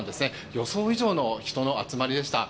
予想以上の人の集まりでした。